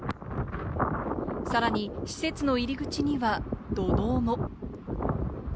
さらに施設の入り口には、土のうも。